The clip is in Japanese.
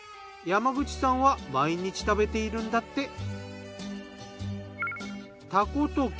山口さんは毎日食べているんだって。